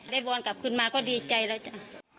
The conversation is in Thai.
บอลกลับขึ้นมาก็ดีใจแล้วจ้ะ